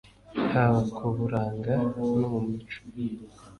haba ku buranga no mu mico